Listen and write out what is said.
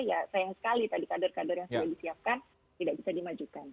ya sayang sekali tadi kader kader yang sudah disiapkan tidak bisa dimajukan